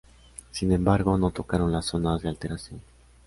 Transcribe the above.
Sin embargo, no tocaron las zonas de alteración.